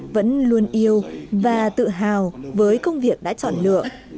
vẫn luôn yêu và tự hào với công việc đã chọn lựa